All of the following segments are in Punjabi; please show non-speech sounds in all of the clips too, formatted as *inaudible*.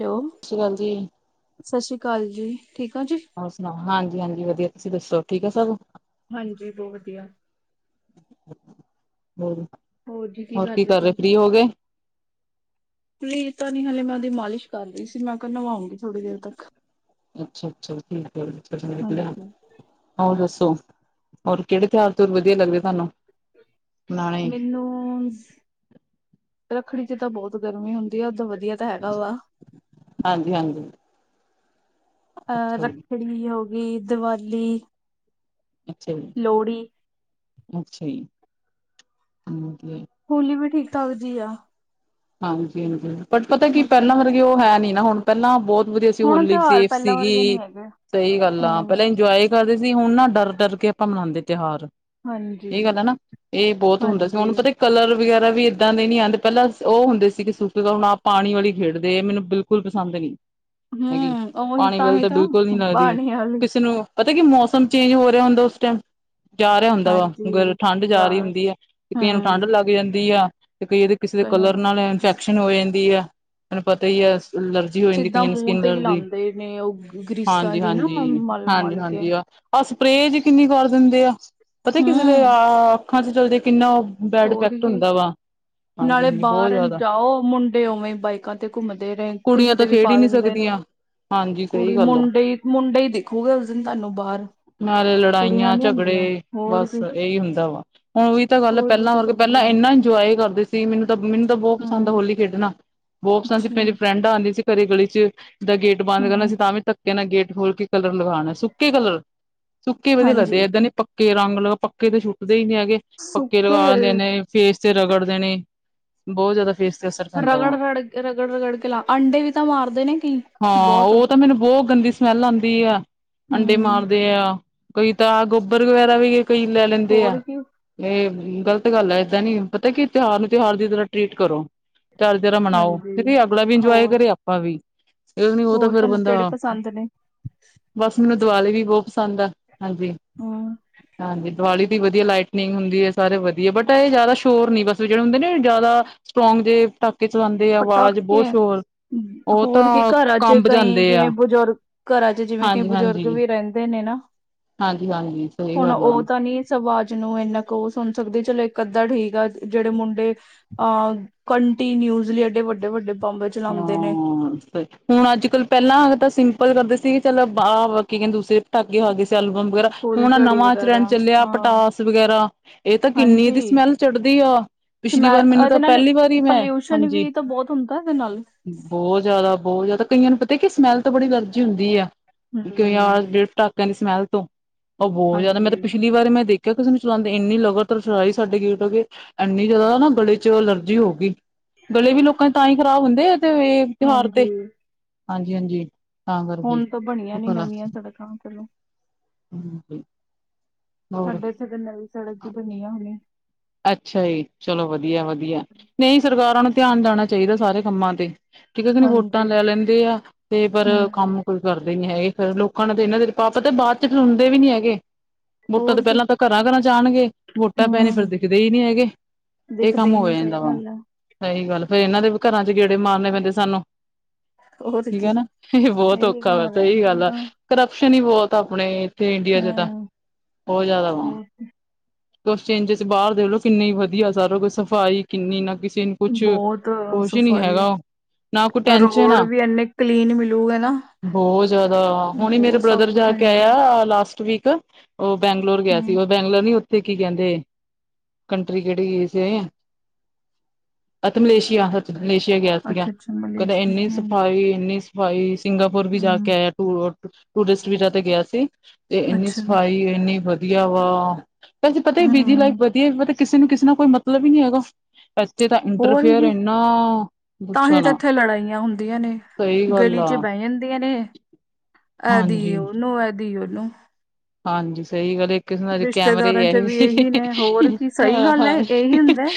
ਹੈਲੋ, ਸਤਿ ਸ਼੍ਰੀ ਅਕਾਲ ਜੀ, ਸਸ੍ਰੀ ਕਾਲ ਜੀ ਠੀਕ ਆ ਜੀ ਹੋਰ ਸੁਣਾਓ, ਹਾਂਜੀ- ਹਾਂਜੀ ਵਧੀਆ ਤੁਸੀਂ ਦੱਸੋ ਠੀਕ ਐ ਸਭ ਹਾਂਜੀ, ਬੋਤ ਵਧੀਆ ਔਰ, ਹੋਰ ਕੀ ਕਰ ਰਹੇ ਫ੍ਰੀ ਹੋ ਗਏ। ਫਿਲੀ ਤਾਂ ਨਹੀ, ਹਲੇ ਮੈਂ ਉਹਦੀ ਮਾਲਿਸ਼ ਕਰ ਰਹੀ ਸੀ ਮੈਂ ਕਿਹਾ ਨਵਾਉਂਗੀ ਥੋੜ੍ਹੀ ਦੇਰ ਤੱਕ। ਅੱਛਾ- ਅੱਛਾ, ਠੀਕ ਹੈ ਚੱਲ ਵਧੀਆ ਹਾਂਜੀ। ਉਹ ਦੱਸੋ, ਹੋਰ ਕਿਹੜੇ ਤਿਹਾਰ ਤੂਰ ਵਧੀਆ ਲੱਗਦੇ ਤੁਹਾਨੂੰ ਮਨਾਣੇ? ਮੈਨੂੰਸ, ਰੱਖੜੀ 'ਚ ਤਾਂ ਬਹੁਤ ਗਰਮੀ ਹੁੰਦੀ ਆ, ਉਦੋਂ ਵਧੀਆ ਐਦਾ ਹੈਗਾ ਵਾ ਹਾਂਜੀ- ਹਾਂਜੀ ਆਹ, ਅੱਛਾ ਜੀ ਰੱਖੜੀ ਹੋ ਗਈ ਦੀਵਾਲੀ ਅੱਛਾ ਜੀ ਲੋੜੀ ਅੱਛਾ ਜੀ, ਉਹ ਗਏ ਹੋਲੀ ਵੀ ਠੀਕ- ਠਾਕ ਜੀ ਆ ਹਾਂਜੀ- ਹਾਂਜੀ, ਬਟ ਪਤਾ ਕੀ, ਹਾਂ। ਪਹਿਲਾਂ ਵਰਗੇ ਉਹ ਹੈ ਨੀ ਨਾ ਹੁਣ ਪੈਲਾਂ ਬਹੁਤ ਵਧੀਆ ਸੀ ਹੁਣ ਹੋਲੀ ਤਿਉਹਾਰ ਸੇਫ ਪਹਿਲਾਂ ਵਰਗੇ ਨੀ ਸੀਗੀ, ਹੈਗੇ, ਸਹੀ ਗੱਲ ਆ ਹੂੰ। ਪਹਿਲੇ ਇੰਜੋਏ ਕਰਦੇ ਸੀ, ਹੁਣ ਨਾ ਡਰ -ਡਰ ਕੇ ਆਪਾਂ ਮਨਾਉਂਦੇ ਤਿਹਾਰ ਹਾਂਜੀ। ਇਹ ਗੱਲ ਹੈ ਨਾ, ਇਹ ਬਹੁਤ ਹੁੰਦਾ ਸੀ, ਹੁਣ ਹਾਂਜੀ, ਪਤਾ ਕਲਰ ਵਗੈਰਾ ਵੀ ਐਦਾਂ ਦੇ ਨੀ ਆਂਉਦੇ ਪਹਿਲਾਂ ਉਹ ਹੁੰਦੇ ਸੀ ਕਿ ਸੁੱਕੇ ਤਾਂ, ਹੁਣ ਆਪ ਪਾਨੀ ਵਾਲੀ ਖੇਡਦੇ ਆ, ਮੈਨੂੰ ਬਿਲਕੁਲ ਪਸੰਦ ਨੀ ਹੈਗੀ, ਹੂੰ ਉਹੀ ਪਾਣੀ ਵੱਲ ਹੀ ਤਾਂ ਬਿਲਕੁਲ ਨੀ ਲੱਗਦੀ, ਪਾਣੀ ਵਾਲੀ, ਕਿਸੇ ਨੂੰ ਪਤਾ ਕੀ ਮੌਸਮ ਚੇਂਜ ਹੋ ਰਿਹਾ ਹੁੰਦਾ ਉਸ ਟੈਮ ਜਾ ਰਿਹਾ ਹੁੰਦਾ ਵਾ, ਗਲ ਹਾਂਜੀ, ਠੰਡ ਜਾ ਰਹੀ ਜਾਰ ਹੁੰਦੀ ਹੈ, ਤੇ ਕਈਆਂ ਨੂੰ ਹੂੰ। ਠੰਢ ਲੱਗ ਲਗੀ ਰਹਿੰਦੀ ਆ, ਤੇ ਕਈਆਂ ਦੇ ਕਿਸੇ ਦੇ ਕਈਆਂ ਕਲਰ ਨੂੰ ਨਾਲ ਇਫੈਕ ਇਫੈਕਸ਼ਨ ਹੋ ਜਾਂਦੀ ਆ, ਤਾਨੂੰ ਪਤਾ ਹੀ ਆ ਲ ਐਲਰਜੀ ਹੋ ਜਾਂਦੀ ਆ, ਸਿੱਧਾ ਕਈਆ ਨੂੰ ਮੂੰਹ ਸਕਿਨ ਤੇ ਹੀ ਐਲਰਜੀ, ਲਾਉਂਦੇ ਨੇ ਉਹ ਗ੍ਰੀਸਾਂ ਹਾਂਜੀ- ਜੀ ਨਾ ਹਾਂਜੀ, ਮਲ ਹਾਂਜੀ- ਮਲ ਕੇ ਹਾਂਜੀ ਆਹ ਆਹ ਸਪਰੇਅ ਜੀ ਕਿੰਨੀ ਕਰ ਵਾਰ ਦਿੰਦੇ ਆ, ਪਤਾ ਕਿਸੇ ਦੇ ਆ ਹੂੰ ਅੱਖਾਂ 'ਚ ਚਲਜੇ ਕਿੰਨਾ ਬੈਡ ਹੋਰ ਇਫੈਕਟ ਕੀ ਹੁੰਦਾ ਵਾ ਹਾਂਜੀ ਨਾਲੇ ਹਾਂਜੀ ਬਹੁਤ ਬਾਹਰਨ ਜ਼ਿਆਦਾ ਜਾਓ, ਮੁੰਡੇ ਉਵੇਂ ਬਾਈਕਾਂ ਤੇ ਘੁੰਮਦੇ ਰਹੇ, ਕਿਸੇ ਕੁੜੀਆਂ ਤਾਂ ਤੇ ਵੀ ਖੇਡ ਹੀ ਪਾ ਨਹੀਂ ਦਿੰਦੇ ਨੇ। ਸਕਦੀਆਂ ਹਾਂਜੀ ਸਹੀ ਕੁੜੀ, ਗੱਲ ਆ ਮੁੰਡੇ ਨ, ਮੁੰਡੇ ਹੀ ਦਿੱਖੂਗਾ ਉਸ ਦਿਨ ਤੁਹਾਨੂੰ ਬਾਹਰ ਨਾਲੇ ਕੁੜੀਆਂ ਲੜਾਈਆਂ - ਨੀ ਹੁੰਦੀਆਂ ਝਗੜੇ, ਹੋਰ ਬਸ ਕੀ ਇਹੀ ਹੁੰਦਾ ਵਾ। ਹੁਣ ਉਹੀ ਤਾਂ ਗੱਲ, ਹੋਲੀ ਪਹਿਲਾਂ ਤੇ ਵਰਗੇ ਕਰਦੇ ਪਹਿਲਾਂ ਆ ਇੰਨਾ ਇੰਜੋਏ ਕਰਦੇ ਸੀ, ਮੈਨੂੰ ਤਾਂ ਮੈਨੂੰ ਤਾਂ ਬੋਤ ਪਸੰਦ ਹਾਂ ਹੋਲੀ ਖੇਡਣਾ ਬਹੁਤ ਪਸੰਦ ਸੀ, ਅੱਛਾ ਮੇਰੀ ਫਰੈਂਡ ਆਂਉਦੀ ਸੀ ਘਰੇ ਗਲੀ 'ਚ, ਜਾਂ ਗੇਟ ਬੰਦ ਕਰਨਾ, ਹੂੰ ਤਾਂ ਵੀ ਧੱਕੇ ਨਾਲ ਗੇਟ ਖੋਲ ਕੇ ਕਲਰ ਲਗਾਉਣਾ ਸੁੱਕੇ ਕਲਰ, ਸੁੱਕੇ ਵਧੀਆ ਲੱਗਦੇ, ਹਾਂਜੀ ਐਦਾਂ ਨੀ ਪੱਕ ਪੱਕੇ ਰੰਗ ਲਓ, ਪੱਕੇ ਤਾਂ ਸੁੁੱਟਦੇ ਹੀ ਨਹੀਂ ਹੈਗੇ, ਪੱਕੇ ਸੁੱਕੇ ਲਗਾ ਦੇਣੇ ਫੇਸ ਤੇ ਰਗੜ ਦੇਣੇ ਬਹੁਤ ਜਾਦਾ ਫੇਸ ਰਗੜ ਰੜ, ਰਗੜ -ਰਗੜ ਕੇ ਲਾ, ਅੰਡੇ ਵੀ ਤਾਂ ਮਾਰਦੇ ਨੇ ਕੀ, ਹਾਂ ਬਹੁਤ ਉਹ ਤਾਂ ਮੈਨੂੰ ਬਹੁਤ ਗੰਦੀ ਸਮੈਲ ਆਂਉਦੀ ਆ, ਅੰਡੇ ਹੂੰ ਮਾਰਦੇ ਆ ਕਈ ਤਾਂ ਗੋਬਰ ਵਗੈਰਾ ਵੀ, ਕਈ ਲੈ ਲੈਂਦੇ ਹੋਰ ਆ ਕੀ ਇਹ ਗ਼ਲਤ ਗੱਲ ਹੈ ਐਦਾਂ ਨੀ, ਪਤਾ ਕੀ ਤਿਉਹਾਰ ਨੂੰ ਤਿਉਹਾਰ ਦੀ ਤਰ੍ਹਾਂ ਟਰੀਟ ਕਰੋ। ਚਾਰ ਜਾਰਰਾ ਮਨਾਓ, ਹਾਂਜੀ ਤੇ ਅਗਲਾ ਵੀ ਇੰਜੋਏ ਹੋਰ ਕਰੇ ਆਪ ਆਪਾਂ ਵੀ, ਇਹ ਨੀ ਉਹ ਤਾਂ ਹੋਰ ਫਿਰ ਤੁਹਾਨੂੰ ਬੰਦਾ ਕਿਹੜੇ ਪਸੰਦ ਨੇ ਬਸ ਮੈਨੂੰ ਦੀਵਾਲੀ ਵੀ ਬਹੁਤ ਪਸੰਦ ਐ, ਹਾਂਜੀ ਆਂ ਹਾਂਜੀ ਦੀਵਾਲੀ ਦੀ ਵਧੀਆ ਲਾਈਟਨਿੰਗ ਹੁੰਦੀ ਐ, ਸਾਰੇ ਵਧੀਆ, ਬਟ ਐਹ ਜ਼ਿਆਦਾ ਸ਼ੋਰ ਨੀ ਬਸ ਜਿਹੜੇ ਹੁੰਦੇ ਨੇ ਜ਼ਿਆਦਾ ਸਟਰੋਂਗ ਜੇ ਪਟਾਕੇ ਚਲਾਉਂਦੇ ਆ, ਆਵਾਜ਼ ਬਹੁਤ ਪਟਾਕੇ ਸ਼ੋਰ ਉਹ ਹੋਰ ਕੀ ਤਾਂ ਘਰਾਂ ਚ ਕੰਬ ਕਈ ਜਾਂਦੇ ਆ ਜਿਵੇਂ ਬਜ਼ੁਰਗ, ਘਰਾਂ ਚ ਜਿਵੇਂ ਕਈ ਹਾਂਜੀ ਬਜ਼ੁਰਗ ਹਾਂਜੀ ਵੀ ਰਹਿੰ ਰਹਿੰਦੇ ਨੇ ਨਾ, ਹਾਂਜੀ ਹਾਂਜੀ ਸਹੀ ਹੁਣ ਗੱਲ ਆ ਉਹ ਤਾਂ ਨੀ ਆਵਾਜ਼ ਨੂੰ ਇੰਨਾ ਕੁ ਉਹ ਸੁਣ ਸਕਦੀ, ਚਲੋ ਇੱਕ ਅੱਧਾ ਠੀਕ ਆ ਜਿਹੜੇ ਮੁੰਡੇ ਅ ਕੰਟੀਨਿਊਸਲੀ ਐਡੇ ਵੱਡੇ- ਵੱਡੇ ਬੰਬ ਚਲਾਉਂਦੇ ਨੇ। ਹਾਂ ਹੁਣ ਅੱਜ ਕੱਲ ਪਹਿਲਾਂ ਵਾਲੇ ਤਾਂ ਸਿੰਪਲ ਕਰਦੇ ਸੀਗੇ, ਚਲ ਬਾਕੀ ਕਹਿੰਦੇ ਦੂਸਰੇ ਠਾਗੇ ਹੋ ਗਏ ਸੀ ਐਲਬਮ ਵਗੈਰਾ, ਫੁੱਲ ਹੁਣ ਝੜੀ ਨਵਾਂ ਵਗੈਰਾ ਤਰੇਂਡ ਚੱਲਿਆ ਹਾਂ ਪਟਾਸ ਵਗੈਰਾ ਇਹ ਤਾਂ ਕਿੰਨੀ ਹਾਂਜੀ ਇਹਦੀ ਸਮੈਲ ਚੜ੍ਹਦੀ ਆ, ਤੇ ਪਿਛਲੀ ਮੈਂ ਵਾਰ ਮੈਨੂੰ ਇਹਦੇ ਤਾਂ ਪਹਿਲੀ ਵਾਰ ਹੀ ਮੈਂ, ਹਾਂਜੀ। ਸੁੁੰਦਾ ਦੇ ਨਾਲ ਬਹੁਤ ਜਿਆਦਾ, ਬਹੁਤ ਜਿਆਦਾ ਕਈਆਂ ਨੂੰ ਪਤਾ ਕਿ ਸਮੈਲ ਤੋ ਬੜੀ ਅਲਰਜੀ ਹੁੰਦੀ ਹੈ। ਕਿਉਂ ਹਮ ਯਾਰ ਜਿਹੜੇ ਪਟਾਕਿਆਂ ਦੀ ਸਮੈਲ ਤੋਂ ਬਹੁਤ ਜ਼ਿਆਦਾ, ਮੈਂ ਤਾਂ ਹਾਂਜੀ ਪਿਛਲੀ ਬਾਰੇ ਮੈਂ ਦੇਖਿਆ ਕਿਸੇ ਨੂੰ ਚਲਾਉਂਦੇ, ਇੰਨੀ ਲਗਾਤਾਰ ਚਲਾਏ ਸਾਡੇ ਗੇਟ ਅੱਗੇ ਇੰਨੀ ਜਿਆਦਾ ਨਾ ਗਲੇ ਚ ਅਲਰਜੀ ਹੋ ਗਈ। ਗਲੇ ਵੀ ਲੋਕਾਂ ਦੇ ਤਾਂ ਹੀ ਖ਼ਰਾਬ ਹੁੰਦੇ ਆ ਤੇ ਇਹ ਤਿਉਹਾਰ ਤੇ, ਹਾਂਜੀ ਹਾਂਜੀ, ਹਾਂਜੀ। ਤਾਂ ਕਰਕੇ ਹੁਣ ਤਾਂ ਬਣਿਆ ਨਹੀਂ ਨਵੀਆਂ ਸੜਕਾਂ ਤੇ ਹਮ, ਹ ਸਾਡੇ ਇੱਥੇ ਤੇ ਨਵੀਂ ਸੜਕ ਜੀ ਬਣੀ ਆ ਹੁਣੇ। ਅੱਛਾ ਜੀ ਚਲੋ ਵਧੀਆ, ਵਧੀਆ ਨਹੀਂ ਸਰਕਾਰਾਂ ਨੂੰ ਧਿਆਨ ਦੇਣਾ ਚਾਹੀਦਾ ਸਾਰੇ ਕੰਮਾਂ ਤੇ ਠੀਕ ਹੈ ਕਿ ਨਹੀਂ ਵੋਟਾਂ ਹਾਂਜੀ ਲੈ ਲੈਂਦੇ ਆ, ਤੇ ਪਰ ਹੂੰ ਕੰਮ ਕੋਈ ਕਰਦੇ ਨੀ ਹੈਗੇ, ਫੇਰ ਲੋਕਾਂ ਨਾਲ ਤੇ ਇਹਨਾਂ ਤੇ ਸੁਭਾਹ ਤਾਂ ਬਾਅਦ ਚ ਸੁਣਦੇ ਵੀ ਨੀ ਹੈਗੇ। ਵੋਟਾਂ ਤੇ ਹੋਰ ਕੀ ਪਹਿਲਾਂ ਤਾਂ ਘਰਾਂ, ਘਰਾਂ ਜਾਣਗੇ ਵੋਟਾਂ ਪੈ ਨ ਹੂੰ ਫਿਰਦੇ ਨੀ ਹੈਗੇ ਇਹ ਦਿਖਦੇ ਕੰਮ ਹੀ ਹੋ ਨੀ ਸਹੀ ਜਾਂਦਾ ਵਾ। ਗੱਲ ਆ ਸਹੀ ਗੱਲ, ਫੇਰ ਇਹਨਾਂ ਦੇ ਵੀ ਘਰਾਂ ਚ ਗੇੜੇ ਮਾਰਨੇ ਪੈਂਦੇ ਸਾਨੂੰ ਹੋਰ ਠੀਕ ਕੀ ਹੈ ਨਾ, ਇਹ ਬਹੁਤ ਇਹੀ ਔਖਾ ਵਾ ਕੰਮ ਸਹੀ ਰਹਿੰਦਾ ਗੱਲ ਆ ਤਾਂ ਕਰਪਸ਼ਨ ਹੀ ਬਹੁਤ ਆਪਣੇ ਏਥੇ ਇੰਡੀਆ ਚ ਤਾਂ ਹੂੰ ਬਹੁਤ ਜਿਆਦਾ ਵਾ, ਹੋਰ ਕੀ। ਕੁਛ ਚੇਂਜ ਤੇ ਬਾਹਰ ਦੇਖਲੋ ਕਿੰਨੇ ਵਧੀਆ ਸਾਰਾ ਸਫ਼ਾਈ ਕਿੰਨੀ ਨਾ ਕਿਸੇ ਨੂੰ ਕੁਛ, ਬਹੁਤ ਕੋਛ ਹੀ ਨਹੀਂ ਹੈਗਾ। ਨਾ ਕੋਈ ਤਾਂ ਟੈਨਸ਼ਨ ਆ ਰੋਡ ਵੀ ਇੰਨੇ ਕਲੀਨ ਮਿਲੂਗੇ ਨਾ ਬਹੁਤ ਜ਼ਿਆਦਾ, ਹੁਣ ਮੇਰਾ ਬਹੁਤ ਸਾਫ਼ ਬ੍ਰਦਰ ਜਾ ਸਫਾਈ ਕੇ ਹੁੰਦੇ ਆ ਆਇਆ ਲਾਸਟ ਵੀਕ। ਉਹ ਬੈਂਗਲੋਰ ਗਿਆ ਸੀ, ਹੂੰ ਉਹ ਬੈਂਗਲੋਰ ਨੀ ਉੱਥੇ ਕੀ ਕਹਿੰਦੇ ਕੰਟਰੀ ਕਿਹੜੀ ਸੀ *unintelligible* ਅਧ ਮਲੇਸ਼ੀਆ। ਮਲੇਸ਼ੀਆ ਗਿਆ ਸੀਗਾ, ਅੱਛਾ ਅੱਛਾ ਕਹਿੰਦੇ ਮਲੇਸ਼ੀਆ ਇੰਨੀ ਹੂੰ ਸਫਾਈ, ਇੰਨੀ ਸਫਾਈ ਸਿੰਗਾਪੁਰ ਵੀ ਜਾ ਕੇ ਹੂੰ ਆਇਆ। ਟੂਰਿਸਟ ਵੀਜ਼ਾ ਤੇ ਗਿਆ ਸੀ, ਤੇ ਇੰਨੀ ਅੱਛਾ ਸਫਾਈ ਇੰਨੀ ਵਧੀਆ ਵਾ ਅਸੀੇ ਪਤਾ ਹੀ ਬਿਜੀ ਲਾਈਫ ਹੂੰ ਵਧੀਆ ਪਤਾ ਕਿਸੇ ਨੂੰ ਕਿਸੇ ਨਾਲ ਕੋਈ ਮਤਲਬ ਹੀ ਨਹੀਂ ਹੈਗਾ ਇੱਥੇ ਤਾਂ ਹੋਰ ਇੰਟਰਫੇਅਰ ਕੀ, ਇੰਨਾ ਪੁੱਛੋ ਤਾਂਹੀ ਤਾਂ ਨਾ ਇੱਥੇ ਲੜਾਈਆਂ ਹੁੰਦੀਆਂ ਨੇ। ਸਹੀ ਗੱਲ ਗਲੀ ਆ ਚ ਬਹਿ ਜਾਂਦੀਆਂ ਨੇ, ਆਦੀ ਹਾਂਜੀ ਉਹਨੂੰ, ਆਦੀ ਉਹਨੂੰ ਹਾਂਜੀ ਸਹੀ ਗੱਲ ਹੈ। ਕਿਸਨ ਅਜ ਕੈਮਰੇ ਰਿਸ਼ਤੇਦਾਰਾਂ ਆ ਚ ਹੀ ਵੀ ਸੀ ਇਹੀ ਨੇ ਹੋਰ ਕੀ ਸਹੀ ਹਾਂ, ਗੱਲ ਹਾਂ ਹੈ ਇਹੀ ਹੁੰਦਾ ਹੈ।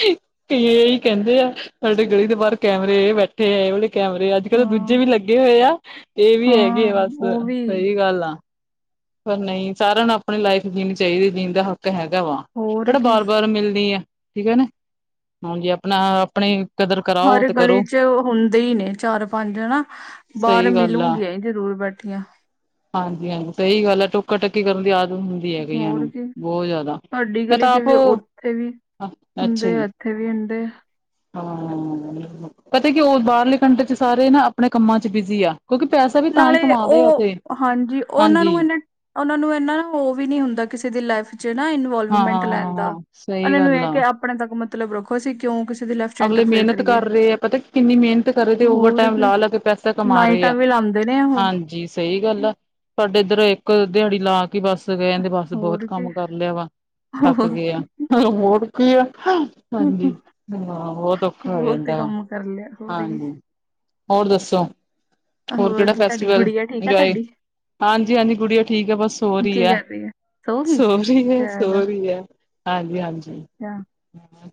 ਐ ਏਹੀ ਕਹਿੰਦੇ ਆ ਸਾਡੇ ਗਲੀ ਦੇ ਬਾਹਰ ਕੈਮਰੇ ਬੈਠੇ ਤੇ ਏਹੋ ਹੈਏ ਵਾਲੇ ਕੈਮਰੇ ਆ ਅੱਜ ਕੱਲ ਤਾਂ ਦੂਜੇ ਹਾਂ ਵੀ ਲੱਗੇ ਹੋਏ ਆ। ਇਹ ਵੀ ਹਾਂ ਹੈਗੇ ਬਸ, ਉਹ ਵੀ ਸਹੀ ਗੱਲ ਆ। ਪਰ ਨਹੀਂ ਸਾਰਿਆਂ ਨੂੰ ਆਪਣੀ ਲਾਈਫ ਜੀਣੀ ਚਾਹੀਦੀ ਜੀਣ ਦਾ ਹੱਕ ਹੈਗਾ ਵਾ, ਹੋਰ ਕਿਹੜਾ ਕੀ ਵਾਰ ਬਾਰ ਮਿਲਣੀ ਆ। ਠੀਕ ਹੈ ਨਾ, ਹੁਣ ਜ਼ੇ ਆਪਣਾ ਆਪਣੇ ਹਰ ਗਲੀ ਚ ਹੁੰਦੇ ਹੀ ਨੇ ਚਾਰ ਪੰਜ ਹਨਾ। ਬਾਹਰ ਸਹੀ ਗੱਲ ਆ ਮਿਲੂਗੀਆਂ ਹੀ ਜਰੂਰ ਬੈਠੀਆਂ। ਹਾਂਜੀ -ਹਾਂਜੀ ਸਹੀ ਗੱਲ ਹੈ ਟੋਕਾ -ਟਾਕੀ ਕਰਨ ਦੀ ਆਦਤ। ਹੁੰਦੀ ਆ ਕਈਆ ਹੋਰ ਨੂੰ ਕੀ ਬਹੁਤ ਜ਼ਿਆਦਾ ਤੁਹਾਡੀ ਮੈਂ ਗਲੀ ਤਾ ਚ ਆਪ। ਵੀ ਉੱਥੇ ਵੀ ਹੁੰਦੇ ਆ ਇੱਥੇ ਵੀ ਹੁੰਦੇ ਆ। ਹਾ ਪਤਾ ਕਿ ਉਹ ਬਾਹਰਲੀ ਕੰਟਰੀ ਚ੍ਹ ਸਾਰੇ ਨਾ ਆਪਣੇ ਕੰਮਾਂ ਚ੍ਹ ਬਿਜੀ ਆ। ਕਿਉਕਿ ਪੈਸੇ। ਨਾਲੇ ਉਹ ਹਾਂਜੀ ਉਹਨਾਂ ਹਾਂਜੀ ਨੂੰ ਇਹਨਾਂ। ਉਹਨਾਂ ਨੂੰ ਇਹਨਾ ਉਹ ਵੀ ਨਹੀਂ ਹੁੰਦਾ ਕਿਸੇ ਦੀ ਲਾਈਫ਼ ਚ ਨਾ ਹਾਂ ਇਨਵੋਲਵਮੈਂਟ ਹਾਂ ਲੈਣ ਹਾਂ ਦਾ। ਸਹੀ ਗੱਲ ਆ। ਕੇ ਆਪਣੇ ਤੱਕ ਮਤਲਬ ਰੱਖੋ। ਅਸੀਂ ਕਿਉ ਕਿਸੇ ਦੀ ਲਾਈਫ ਚ੍ਹ ਅਗਲੇ ਇੰਟਰਫੇਅਰ ਮਿਹਨਤ ਕਰੀਏ ਕਰ ਰਹੇ ਆ ਪਤਾ ਕਿੰਨੀ ਮਿਹਨਤ ਕਰ ਰਹੇ ਤੇ ਓਵਰ ਹੋਰ ਟਾਈਮ ਕੀ। ਲਾ ਲਾ ਕੇ ਪੈਸਾ ਕਮਾ ਰਹੇ ਲਾਈਟਾ ਆ ਵੀ ਲਾਂਦਾ। ਹਾਂਜੀ ਸਹੀ ਗੱਲ ਆ ਸਾਡੇ ਇੱਧਰ ਇੱਕ ਦਿਹਾੜੀ ਲਾ ਕੇ ਬੱਸ ਕਹਿ ਦੇ ਬਸ। ਬਹੁਤ ਹੋਰ ਕੀ ਕੰਮ ਕਰ ਲਿਆ ਵਾ ਥੱਕ ਹੋਰ ਗਏ ਆ ਹੋਰ ਕੀ ਆ ਹਾਂਜੀ। ਹਾਂ ਬਹੁਤ ਔਖਾ ਹੋ ਹੋਰ ਜਾਂਦਾ ਤੇ ਕੰਮ ਕਰ ਲਿਆ ਹੋਰ ਕੀ ਹਾਂਜੀ ਹੋਰ ਦੱਸੋ। ਹੋਰ ਕਿਹੜਾ ਜੀ ਤੁਹਾਡੀ ਫੈਸ਼ਟੀਵਲ ਗੁੜੀਆ ਠੀਕ ਆ ਇੰਨਜੋਏ। ਤੁਹਾਡੀ ਹਾਂਜੀ-ਹਾਂਜੀ ਗੁੱਡੀਆਂ ਠੀਕ ਆ ਬਸ ਸੋਹ ਰਹੀ ਕੀ ਹੈ ਕਰ ਸੋ ਗਈ ਸੋਹ ਰਹੀ ਹੈ ਸੋਹ ਚਲੋ ਰਹੀ ਹੈ। ਹਾਂਜੀ-ਹਾਂਜੀ। ਅੱਛਾ *unintelligible*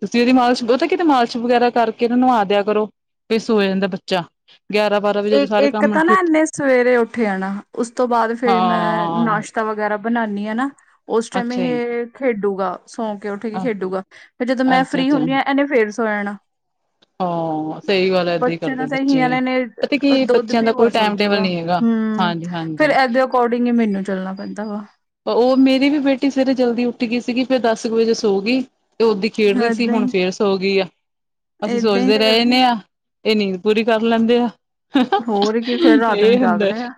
ਤੁਸੀ ਇਹਦੀ ਮਾਲਿਸ਼ ਬਹੁਤਾ। ਕਿਤੇ ਮਾਲਿਸ਼ ਵਗੈਰਾ ਕਰਕੇ ਇਹ ਨੂੰ ਨਵਾ ਦੀਆ ਕਰੋ ਫਿਰ ਸੋ ਜਾਂਦਾ ਬੱਚਾ। ਗਿਆਰਾਂ ਬਾਰਾਂ ਵਜੇ ਜਦੋਂ ਸਾਰੇ ਇੱਕ ਕੰਮ ਤਾ ਨਾ ਨਿਪ ਇੰਨੇ ਸਵੇਰੇ ਉੱਠੇ ਜਾਣਾ ਉਸ ਤੋਂ ਬਾਅਦ ਫਿਰ ਮੈਂ ਹਾਂ ਨਾਸ਼ਤਾ। ਨਾਸ਼ਤਾ ਵਗੈਰਾ ਬਣਾਨੀ ਆ ਨਾ ਉਸ ਟਾਈਮ ਅੱਛਾ ਜੀ ਇਹ ਖੇਡੂਗਾ। ਸੌ ਕੇ ਉੱਠੇਗੀ ਖੇਡੂ ਗਾ ਜਦੋ ਮੈਂ ਅੱਛਾ ਫ੍ਰਰੀ ਅੱਛਾ ਹੁੰਨੀ ਆ ਇਹਨੇ ਫੇਰ ਸੋ ਜਾਣਾ। ਹਾਂ *unintelligible* ਸਹੀ ਗੱਲ *unintelligible* ਹੈ, ਏਦਾਂ ਹੀ ਪਛੇ ਕਰਦੇ ਤਾਂਸ ਬੱਚੇ ਹਲ ਨੇ ਪਤਾ ਕੀ ਦੁੱਧ ਬੱਚਿਆਂ ਦਾ ਪੀਓ ਗਾ ਕੋਈ ਟਾਈਮ ਸੋਜੂ ਟੇਬਲ ਗਾ ਨਹੀਂ ਹੈਗਾ ਹਮ ਹਾਂਜੀ ਫੇਰ ਹਾਂਜੀ ਇਦੇ। ਅਕੋਡਿਗ ਹੀ ਮੈਨੂੰ ਚੱਲਣਾ ਪੈਂਦਾ ਵਾ। ਉਹ ਮੇਰੀ ਵੀ ਬੇਟੀ ਸਵੇਰੇ ਜਲਦੀ ਉੱਠ ਗੀ ਸੀ ਸੀਗੀ ਫਿਰ ਦਸ ਕੁ ਵਜੇ ਸੋ ਗਈ। ਤੇ ਓਦੀ ਦੀ ਖੇਡ ਰਹੀ ਸੀ ਏਦਾਂ ਹੁਣ ਹੀ ਫੇਰ ਸੌ ਗਈ ਆ ਅਸੀ ਏਦਾਂ ਹੀ ਸੋਚਦੇ ਤਾਂ ਰਹੇ ਕਰਦੀ ਜਾਂਨੇ ਆ। ਇਹ ਨੀਂਦ ਪੂਰੀ ਕਰ ਲੈਂਦੇ ਆ। ਹੋਰ ਕਿ ਫ਼ੇਰ ਰਾਤ ਨੂੰ ਇਹ ਹੁੰਦਾ ਜਾਗਦੇ ਆ।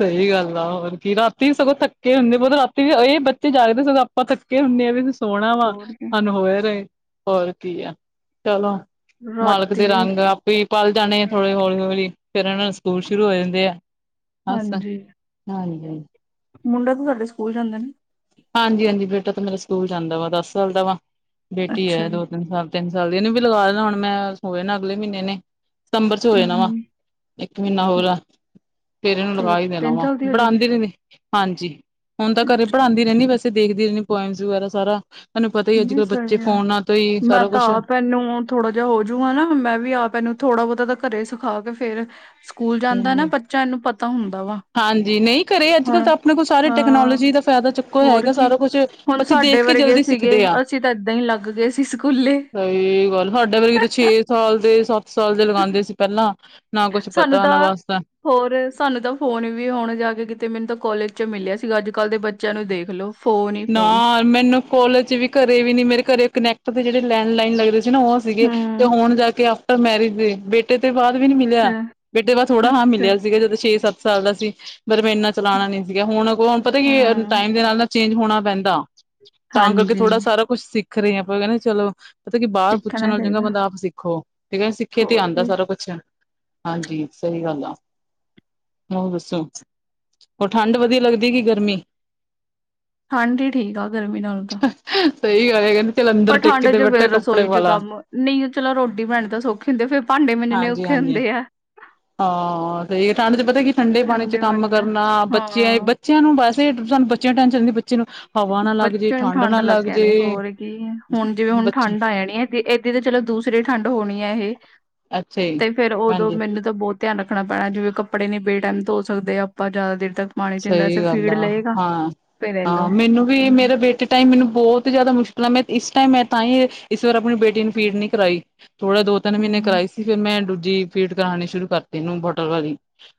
ਸਹੀ ਗੱਲ ਆ ਹੋਰ ਕੀ ਰਾਤੀ ਸਗੋਂ ਥੱਕੇ। ਰਾਤੀ ਵੀ ਇਹ ਬੱਚੇ ਜਾਗਦੇ ਸਗੋਂ ਆਪਾਂ ਥੱਕੇ ਹੋਨੇ ਕਿ ਅਸੀਂ ਸੋਹਣਾ ਵਾ। ਹੋਰ ਕੀ। ਸਾਨੂੰ ਹੋਏ ਰਹੇ ਹੋਰ ਕੀ ਹੈ ਚਲੋ। ਮਾਲਕ ਰਾਤੀ ਦੇ ਵੀ ਰੰਗ ਆਪੇ ਪਲ ਜਾਣੇ ਆ ਥੌੜੇ ਹਾਂਜੀ। ਹੌਲੀ -ਹੌਲੀ ਫੇਰ ਇਹਨਾਂ ਦੇ ਸਕੂਲ ਸ਼ੁਰੂ ਹੋ ਜਾਂਦੇ ਆ। ਬਸ ਹਾਂਜੀ। ਹਾਂਜੀ। ਮੁੰਡਾ ਤਾਂ ਤੁਹਾਡਾ ਸਕੂਲ ਜਾਂਦਾ ਹੈ ਨਾ। ਹਾਂਜੀ -ਹਾਂਜੀ ਬੇਟਾ ਤਾਂ ਮੇਰਾ ਸਕੂਲ ਜਾਂਦਾ ਵਾ ਦਸ ਸਾਲ ਦਾ ਵਾ ਬੇਟੀ ਅੱਛਾ ਏ ਜੀ ਦੋ ਤਿੰਨ ਸਾਲ ਦੀ। ਤਿੰਨ ਸਾਲ ਦੀ ਇਹ ਨੂੰ ਵੀ ਲਗਾ ਲੈਣਾ ਮੈਂ ਬਸ ਹੋ ਜਾਣਾ ਅਗਲੇ ਮਹੀਨੇ ਇਹਨੇ। ਸਤੰਬਰ ਚ ਹੋ ਜਾਣਾ ਵਾ ਹੂੰ ਇੱਕ ਮਹੀਨਾ ਹੋਰ ਆ। ਫੇਰ ਇਹਨੂੰ ਤੇ ਲਵਾ ਹੀ ਦੇਣਾ ਤਿੰਨ ਵਾ ਸਾਲ ਦੀ ਹੋਜੂਗੀ। ਪੜਾਉਂਦੀ ਵੀ ਨਹੀਂ। ਹਾਂਜੀ ਹੁਣ ਤਾਂ ਘਰੇ ਅੱਛਾ। ਪੜ੍ਹਾਉਂਦੀ ਰਹਿੰਦੀ ਵੈਸੇ ਦੇਖਦੀ ਰਹਿੰਦੀ ਪੋਇਸ ਵਗੈਰਾ ਸਾਰਾ। ਤੁਹਾਨੂੰ ਪਤਾ ਹੀ ਅੱਜ ਨਹੀਂ ਕੱਲ੍ਹ ਬੱਚੇ ਫੋਨਾਂ ਤੋ ਹੀ ਸਾਰਾ ਕੁਛ। ਮੈਨੂੰ। ਥੋੜ੍ਹਾ ਜਿਹਾ ਹੋਜੂ ਗਾ ਨਾ ਮੈਂ ਵੀ ਆਪ ਇਹ ਨੂੰ ਥੋੜ੍ਹਾ ਬਹੁਤਾ ਤਾਂ ਘਰੇ ਸਿਖਾ ਕੇ ਫੇਰ। ਸਕੂਲ ਜਾਂਦਾ ਨਾ ਬੱਚਿਆਂ ਇਨੂੰ ਪਤਾ ਹੁੰਦਾ ਵਾ। ਹਾਂਜੀ, ਨਹੀਂ ਘਰੇ ਅੱਜ-ਕੱਲ੍ਹ ਹੁਣ ਤਾਂ ਆਪਣੇ ਕੋਲ ਸਾਰੇ ਹਾਂ ਟੈਕਨੋਲੋਜੀ ਦਾ ਫਾਇਦਾ ਚੁੱਕੋ ਹੋਰ ਹੈਗਾ ਕੀ ਸਾਰਾ ਕੁਛ। ਹੁਣ ਬੱਚੇ ਸਾਡੇ ਦੇਖ ਕੇ ਵਰਗੇ ਜਲਦੀ ਸੀਖ ਸੀਗੇ ਦੇ ਆ ਅਸੀਂ ਤਾਂ ਏਦਾਂ ਹੀ ਲੱਗ ਗਏ ਸੀ ਸਕੂਲੇ ਸਹੀ ਗੱਲ ਸਾਡੇ ਵਰਗੀ ਤੇ ਛੇ ਛੇ ਸਾਲ, ਦੇ ਸੱਤ ਸਾਲ ਦੇ ਲਗਾਉਂਦੇ ਸੀ ਪਹਿਲਾਂ। ਨਾ ਕੁਛ ਸਨੂੰ ਪਤਾ ਤਾਂ ਨਾ ਵਾਸਤਾ ਹੋਰ ਸਾਨੂੰ ਤਾਂ ਫੋਨ ਵੀ ਹੁਣ ਜਾ ਕੇ ਕਿਤੇ ਮੈਨੂੰ ਤਾਂ ਕੋਾਲਜ ਚ ਮਿਲਿਆ ਸੀਗਾ ਅੱਜ-ਕੱਲ੍ਹ ਦੇ ਬੱਚਿਆਂ ਨੂੰ ਦੇਖ ਲੋੋ। ਨਾ ਮੈਨੂੰ ਕੋਲੇਜ ਵੀ ਘਰੇ ਵੀ ਨੀ ਮੇਰੇ ਘਰੇ ਕਨੈਕਟ ਦੇ ਜਿਹੜੇ ਲੈਂਡ ਲਈਨ ਲੱਗਦੇ ਨਾ ਉਹ ਸੀਗੇ, ਤੇ ਹੂੰ ਹੁਣ ਜਾ ਕੇ ਆਫਟਰ ਮੈਰਿਜ ਬੇਟੇ ਬੇਟੇ ਤੋਂ ਬਾਅਦ ਵੀ ਨੀ ਮਿਲਿਆ ਅੱਛਾ ਬੇਟੇ ਬਾਅਦ ਥੋੜਾ ਹਾਂ ਅੱਛਾ ਮਿਲਿਆ ਸੀਗਾ ਜਦੋਂ ਛੇ-ਸੱਤ ਸਾਲ ਦਾ ਸੀ ਪਰ ਮਹਿਨਾ ਚਲਾਣਾ ਨੀ ਸੀਗਾ ਹੁਣ-ਹੁਣ ਪਤਾ ਕੀ ਹੂੰ ਟਾਈਮ ਦੇ ਨਾਲ ਨਾ ਚੇਂਜ ਹੋਣਾ ਪੈਂਦਾ। ਤਾਂ ਕਰਕੇ ਹਾਂਜੀ ਥੋੜ੍ਹਾ ਸਾਰਾ ਕੁਛ ਸਿੱਖ ਰਹੇ ਆਪਾਂ ਕਹਿੰਦੇ ਚਲੋ ਪਤਾ ਕਿ ਬਾਹਰ ਪੁੱਛਣ ਸਿੱਖਣਾ ਨਾਲ ਚੰਗਾ ਼, ਚਾਹੀਦਾ ਬੰਦਾ ਆਪ ਸਿੱਖੋ ਠੀਕ ਹੈ ਸਿੱਖੇ ਤੇ ਹੋਰ ਆਉਂਦਾ ਕੀ ਸਾਰਾ ਕੁੱਛ। ਹਾਂਜੀ, ਸਹੀ ਗੱਲ ਆ। ਮੈਨੂ ਦੱਸੋ, ਹੋਰ ਠੰਡ ਵਧੀਆ ਲੱਗਦੀ ਕਿ ਗਰਮੀ? ਠੰਢ ਹੀ ਠੀਕ ਆ ਗਰਮੀ ਨਾਲੋ। ਸਹੀ ਗੱਲ ਹੈ ਕਹਿੰਦੇ ਚੱਲ ਪਰ ਅੰਦਰ ਠੰਡ ਟੇਕੇ ਤੇ ਫੇਰ ਬੈਠੇ ਕੱਪੜੇ ਰਸੋਈ ਚ ਵਾਲਾ ਕੰਮ ਨੀ ਚਲੋ ਰੋਟੀ ਪਾਣੀ ਤਾਂ ਸੌਖੀ ਹੁੰਦੇ ਫੇਰ ਭਾਂਡੇ ਮਜਣੇ ਹਾਂਜੀ ਔਖੇ ਹਾਂਜੀ। ਹੁੰਦੇ ਆ। ਹਾਂ, ਸਹੀ ਗੱਲ ਤੇ ਠੰਡ ਚ ਪਤਾ ਕੀ ਠੰਡੇ ਪਾਣੀ ਚ ਕੰਮ ਬਣਨਾ ਕਰਨਾ ਬੱਚਿਆਂ ਹਾਂ ਬੱਚਿਆਂ ਨੂੰ ਵੈਸੇ ਸਾਨੂੰ ਬੱਚਿਆਂ ਦੀ ਟੈਂਸ਼ਨ ਹੁੰਦੀ ਬਚ ਬੱਚਿਆਂ ਨੂੰ ਠੰਢ ਲੱਗ ਜੇ ਜਾਣੀ ਹੋਰ ਕੀ ਹੁਣ ਜਿਵੇਂ ਹੁਣ ਬੱਚੇ ਠੰਢ ਆ ਜਾਣੀ ਏ। ਏਦੀ ਤਾਂ ਚਲੋ ਦੂਸਰੀ ਠੰਡ ਹੋਣੀ ਏ ਇਹ ਅੱਛਾ ਜੀ ਤੇ ਫੇਰ ਉਦੋਂ ਹਾਂਜੀ। ਮੈਨੂੰ ਤਾਂ ਬਹੁਤ ਧਿਆਨ ਰੱਖਣਾ ਪੈਣਾ, ਜਿਵੇਂ ਕੱਪੜੇ ਨੀ ਬੇਟਾਈਮ ਧੋ ਸਕਦੇ ਆਪਾਂ ਜ਼ਿਆਦਾ ਦੇਰ ਤੱਕ, ਪਾਣੀ ਚ ਸਹੀ ਵੈਸੇ ਗੱਲ ਫੀਡ ਆ, ਲਏਗਾ ਫੇਰ ਹਾਂ-ਹਾਂ ਇਹਨੂੰ ਮੈਨੂੰ ਵੀ ਹਮ ਮੇਰੇ ਬੇਟੇ ਟਾਈਮ ਮੈਨੂੰ ਬਹੁਤ ਜ਼ਿਆਦਾ ਮੁਸ਼ਕਿਲ ਆ ਮੈਂ ਇਸ ਟਾਈਮ ਮੈਂ ਤਾਂ ਹੀ ਇਸ ਵਾਰ ਆਪਣੀ ਬੇਟੀ ਨੂੰ ਫੀਡ ਨੀ ਕਰਵਾਾਈ। ਥੋੜੇ ਦੋ-ਤਿੰਨ ਮਹੀਨੇ ਹਮ, ਕਰਵਾਈ ਸੀ, ਫਿਰ ਮੈਂ ਦੂਜੀ ਫੀਡ ਕਰਾਉਣੀ ਸ਼ੁਰੂ ਕਰਤੀ ਇਨੂੰ ਬੋਟਲ ਵਾਲੀ।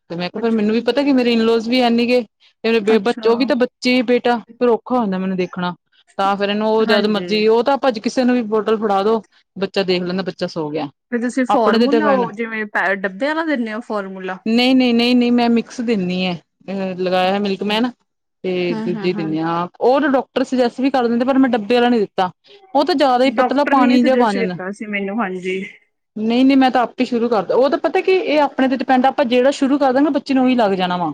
ਤੇ ਮੈਂ ਕਿਹਾ ਫਿਰ ਅੱਛ- ਮੈਨੂੰ ਵੀ ਪਤਾ ਕਿ ਮੇਰੇ ਇਨਲੋਜ਼ ਵੀ ਐਨੀਗੇ ਤੇ ਮੇਰੇ ਬੇ ਅੱਛਾ ਉਹ ਵੀ ਤਾਂ ਬਚ ਚੇ ਬੇਟਾ ਫਿਰ ਔਖਾ ਹੋ ਜਾਦਾਂ ਮੈਨੂੰ ਦੇਖਣਾ ਤਾਂ ਫ਼ਿਰ ਇਹਨੂੰ ਉਹ ਜਦ ਹਾਂਜੀ ਮਰਜ਼ੀ ਉਹ ਤਾਂ ਭੱਜੀ ਕਿਸੇ ਨੂੰ ਵੀ ਬੋਟਲ ਫੜਾ ਦੋ, ਬੱਚਾ ਦੇਖ ਲੈਂਦਾ ਬੱਚਾ ਸੋ ਗਿਆ। ਫਿਰ ਤੁਸੀਂ ਆਪਣੇ ਦੇ ਤੇ ਫੋਰਮੂਲਾ ਬੈਣ ਆ, ਉਹ ਜਿਵੇਂ ਪੈ ਡੱਬੇ ਵਾਲਾ ਦਿੰਦੇ ਹੋ ਫੋਰਮੂਲਾ ਨੀ-ਨੀ-ਨੀ-ਨੀ ਮੈਂ ਮਿਕਸ ਦਿੰਦੀ ਆ। ਲਗਾਇਆ ਹਮ ਮਿਲਕਮੈਨ ਤੇ ਹਮ ਦੂਜੀ ਹਮ ਦਿੰਨ ਹਾਂ ਉ ਤਾ ਡਾਕਰ ਸ ਸਜੈਸ ਵੀ ਕਰ ਦਿੰਦੇ ਪਰ ਮੈਂ ਡੱਬ ਬੇ ਵਾਲਾ ਨੀ ਦਿੱਤਾ ਉਹ ਤਾਂ ਜ਼ਿਆਦਾ ਹੀ ਪਤਲਾ ਡਾਕਟਰ ਨੇ ਪਾਣੀ ਜਿਹਾ ਬਣ ਸਜੈਸਟ ਜਾਂਦਾ ਕੀਤਾ ਸੀ ਮੈਨੂੰ ਹਾਂਜੀ ਨਹੀ-ਨਹੀਂ, ਮੈਂ ਤਾਂ ਆਪੇ ਹੀ ਸ਼ੁਰੂ ਕਰਤਾ ਉ ਤਾਂ ਪਤਾ ਕਿ ਇਹ ਆਪਣੇ ਤੇ ਡਿਪੈਂਡ ਆਪਾਂ ਜੇਹੜਾ ਸ਼ੁਰੂ ਕਰਤਾ ਨਾ ਬੱਚੇ ਨੂੰ ਉਹੀ ਲੱਗ ਜਾਣਾ ਵਾ।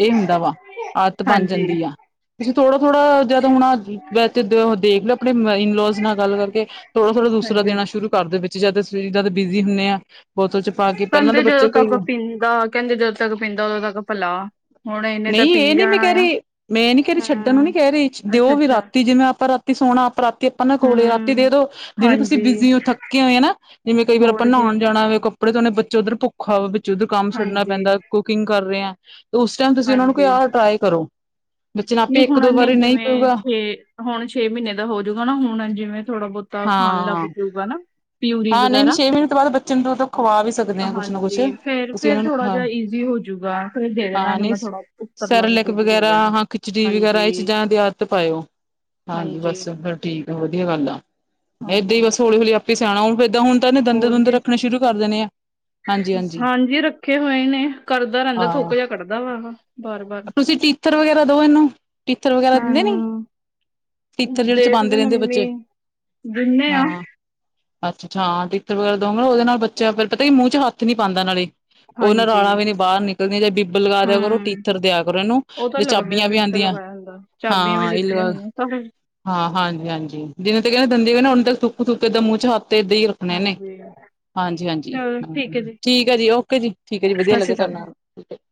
ਇਹ ਹੁੰਦਾ ਵਾ ਆਦਤ ਬਣ ਹਾਂਜੀ ਜਾਂਦੀ ਆ। ਤੁਸੀਂ ਥੋੜਾ-ਥੋੜਾ ਜਦ ਹੁਣ ਦੇਖ ਲੋ ਅਪਣੇ ਇਨਲੋਜ਼ ਨਾਲ ਗੱਲ ਕਰਕੇ। ਥੋੜਾ-ਥੋੜ੍ਹਾ ਦੂਸਰਾ ਹਾਂਜੀ ਦੇਣਾ ਸ਼ੁਰੂ ਕਰ ਦੋ ਬਚੇ, ਜਦ ਬਿਜ਼ੀ ਹੁੰਦੇ ਆ ਬੋਤਲ ਚ ਪਾ ਕੇ ਪਹਿਲਾਂ ਕਹਿੰਦੇ ਤਾਂ ਜਦੋਂ ਬੱਚੇ ਕਈ ਤੱਕ ਪੀਂਦਾ, ਕਹਿੰਦੇ ਜਦੋਂ ਤੱਕ ਪੀਂਦਾ ਉਦੋਂ ਤੱਕ ਪਿਲਾ। ਨਹੀਂ, ਇਹ ਨੀ ਮੈਂ ਕਹਿ ਰਹੀ ਮੈਂ ਇਹ ਨੀ ਕਹਿ ਰਹੀ, ਛੱਡਣ ਨੂੰ ਨੀ ਹੂੰ ਕਹਿ ਰਹੀ ਅੱਛਾ ਦਿਓ ਵੀ ਅੱਛਾ ਰਾਤੀ ਜਿਵੇਂ ਆਪਾਂ ਰਾਤੀ ਸੋਣਾ ਆਪ ਰਾਤੀ ਆਪਾਂ ਨਾ ਕੋਲੇ ਰਾਤੀ ਦੇ ਹੂੰ ਦੋ, ਦਿਨੇ ਤੁਸੀਂ ਹਾਂਜੀ ਬਿਜੀ ਹੋ ਥੱਕੇ ਹੋਏ ਹਨਾ। ਜਿਵੇਂ ਕਈ ਵਾਰ ਆਪਾਂ ਹੋਰ ਕੀ ਨਹਾਉਣ ਜਾਣਾ ਵੇ ਕਪ ਕਪੜੇ ਧੋਣੇ, ਬੱਚਾ ਉੱਧਰ ਭੁੱਖਾ ਵਾ ਵਿੱਚ ਉਧਰ ਕੰਮ ਛੱਢਣਾ ਹਾਂਜੀ ਪੈਂਦਾ ਕੁਕਿੰਗ ਕਰ ਰਿਹਾ। ਉਸ ਟਾਈਮ ਤੁਸੀਂ ਉਹਨਾ ਨੂੰ ਕਹੋ ਕਿ ਆਹ ਟਰਾਈ ਕਰੋ। ਬੱਚੇ ਨੂੰ ਜੀ ਆਪੇ ਇੱਕ ਹੁਣ ਦੋ ਇਨੇ ਵਾਰੀ ਨਹੀਂ ਜਿਵੇਂ ਪਊਗਾ ਛੇ ਹੁਣ ਛੇ ਮਹੀਨੇ ਦਾ ਹੋਜੂਗਾ ਨਾ ਹੁਣ ਜਿਵੇਂ ਥੋੜਾ ਬਹੁਤਾ ਖਾਣ ਲੱਗ ਹਾਂ ਜਊਗਾ ਨਾ। ਪਿਊਰੀ ਹਾਂ ਨਹੀਂ ਨਹੀਂ ਵਗੈਰਾ, ਛੇ ਮਹੀਨੇ ਤੋਂ ਬਾਅਦ ਬੱਚੇ ਨੂੰ ਦੁੱਧ ਖਵਾ ਵੀ ਸਕਦੇ ਆ ਕੁਛ ਨਾ ਕੁਛ ਹਾਂਜੀ ਫੇਰ ਤੁਸੀਂ ਫੇਰ ਉਹਨਾਂ ਨੂੰ ਥੋੜਾ ਖਵਾ ਜੇਆ ਈਜ਼ੀ ਹੋ ਜੂਗਾ, ਫਿਰ ਦੇ ਦੇਣਾ ਹਾਂ ਏਹਨੂੰ ਨਹੀਂ ਮੈਂ ਥੋੜਾ, ਉੱਪਰਲਾ ਵੀ ਦੁੱਧ ਦੇ ਦੇਣਾ। ਚਿਚੜੀ ਵਗੈਰਾ ਹਾਂਜੀ ਏਹ ਚੀਜ਼ਾਂ ਦੀ ਆਦਤ ਪਾਏਓ, ਹਾਂਜੀ ਬਸ ਫਿਰ ਠੀਕ ਆ, ਵਧੀਆ ਗੱਲ ਆ। ਏਈਦਾਂ ਹੀ ਹਾਂਜੀ ਬਸ ਹੌਲੀ-ਹੌਲੀ ਆਪੇ ਈ ਸਆਣਾ ਹੋਓ, ਫੇਰ ਦਾ ਹੁਣ ਤਾਂ ਏਹਨੇ ਦੰਦ ਹੋਰ ਦੁੰਦ ਜੀ ਰੱਖਣੇ ਸ਼ੁਰੂ ਕਰ ਦੇਣੇ ਐ। ਹਾਂਜੀ ਰੱਖੇ ਹੋਏ ਨੇ, ਕਰਦਾ ਰੇਹੰਦਾ ਹਾਂ ਥੂਕ ਜੇਹਾ ਕੱਢਦਾ ਵਾ। ਬਾਰ ਬਾਰ ਤੁਸੀਂ ਟੀਥਰ ਵਗੈਰਾ ਦੋ ਏਹਨੂੰ, ਟੀਥਰ ਵਗੈਰਾ ਦਿੰਦੇ ਨੀ? ਟੀਥਰ ਜੇਹੜੇ ਚਬਾਂਦੇ ਦੇਖਦੇ ਰੇਹੰਦੇ ਆ ਮੰਮੀ ਬੱਚੇ, ਦਿੰਨੇ ਆ ਹਾਂ। ਅੱਛਾ-ਅੱਛਾਂ ਹਾਂ ਟੀਥਰ ਵਗੈਰਾ ਦੋਓਂਗੇ ਨਾ, ਉਹਦੇ ਬੱਚਾ ਫਿਰ ਪਤਾ ਮੂੰਹ ਚ ਹਾਥ ਨੀ ਪਾਂਦਾ ਨਾਲੇ। ਉਹਦੇ ਨਾਲ ਹਾਂਜੀ ਰਾਰਾ ਵੀ ਨੀ ਬਾਰ ਨਿਕਲਦੀਆਂ ਜਾਂ ਬੀਬ ਲਗਾ ਦੇਆ ਕਰੋ ਟੀ ਹੂੰ ਥਰ ਦੇਆ ਕਰੋ ਏਹਨੂੰ ਉਹ ਤਾਂ ਜਾਂ ਲੱਗਦੇ ਚਾਬੀਆਂ ਵੀ ਤਾਂ ਆਂਦੀਆਂ ਏ, ਲਗਾਇਆ ਹੁੰਦਾ ਚਾਬੀਆਂ ਵੀ ਹਾਂ ਏਹ ਲ *unintelligible* ਹਾਂ ਹਾਂਜੀ-ਹਾਂਜੀ ਜਿਨੇ ਤਕ ਏਹਨੂੰ ਦੰਦੀ ਨੀ ਨਾ ਉਹਨੇ ਤੱਕ ਥੁੱਕ-ਥੁੱਕ ਐਦਾ ਮੂੰਹ ਚ ਹੱਥ ਤੇ ਐਦੀ ਈ ਰ ਖਨਾ ਏਹਨੇ, ਹਾਂਜੀ ਹਾਂਜੀ-ਹਾਂਜੀ ਚਲੋ ਠੀਕ ਹੈ ਹ-ਹ ਜੀ ਠੀਕ ਐ ਜੀ ਓਕੇ ਜੀ, ਠੀਕ ਐ ਜੀ ਵਧੀਆ ਸਤਿ ਸ਼੍ਰੀ ਲੱਗੇਆ ਤਾਡੇ ਅਕਾਲ ਨਾਲ *inaudible*